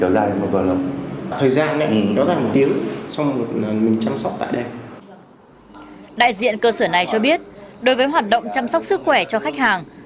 đại diện cơ sở này cho biết đối với hoạt động chăm sóc sức khỏe cho khách hàng